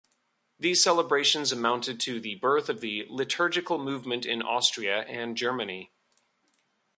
These celebrations amounted to the birth of the liturgical movement in Austria and Germany.